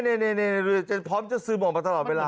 นี่จะพร้อมจะซึมออกมาตลอดเวลา